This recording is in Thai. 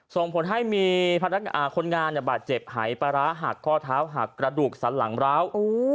ส่งผลให้มีพนักงานคนงานบาดเจ็บหายปลาร้าหักข้อเท้าหักกระดูกสันหลังร้าว